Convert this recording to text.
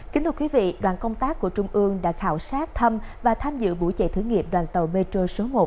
kính thưa quý vị đoàn công tác của trung ương đã khảo sát thăm và tham dự buổi chạy thử nghiệm đoàn tàu metro số một